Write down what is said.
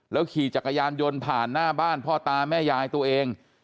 ขี่จักรยานยนต์ผ่านหน้าบ้านพ่อตาแม่ยายตัวเอง